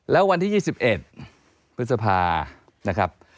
แล้ววันที่๒๑พฤษภานะครับ